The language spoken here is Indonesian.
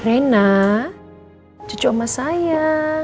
eh apa apa saja